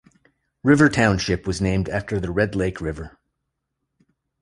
River Township was named after the Red Lake River.